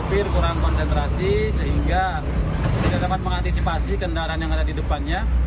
bir kurang konsentrasi sehingga tidak dapat mengantisipasi kendaraan yang ada di depannya